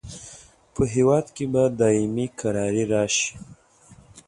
په هیواد کې به دایمي کراري راشي.